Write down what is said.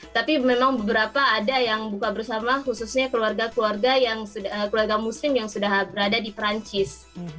tapi memang beberapa ada yang buka bersama khususnya keluarga keluarga muslim yang sudah berada di perancis